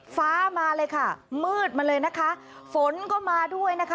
มาเลยค่ะมืดมาเลยนะคะฝนก็มาด้วยนะคะ